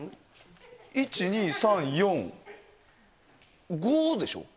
１、２、３、４５でしょ？